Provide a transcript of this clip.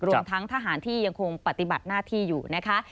รวมทั้งทหารที่ยังคงปฏิบัติหน้าที่อยู่นะคะ